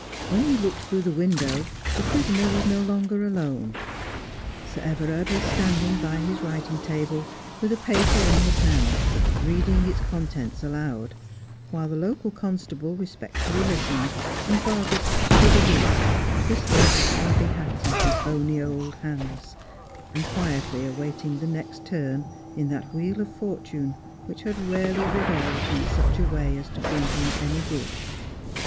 "When he looked through the window the prisoner was no longer alone. Sir Everard was standing by his writing table, with a paper in his hand, reading its contents aloud, while the local constable respectfully listened, and Vargas stood aloof, twisting his flabby hat in his bony old hands, and quietly awaiting the next turn in that wheel of fortune which had rarely revolved in such a way as to bring him any good.